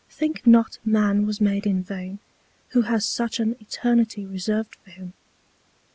Think not Man was made in vain, who has such an Eternity reserved for him.